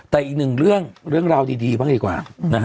แต่อีกหนึ่งเรื่องเรื่องราวดีบ้างดีกว่านะฮะ